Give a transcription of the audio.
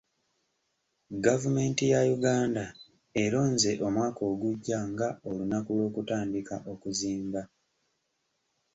Gavumenti ya Uganda eronze omwaka ogujja nga olunaku lw'okutandika okuzimba.